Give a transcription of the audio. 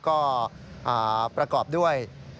ก็ประกอบด้วย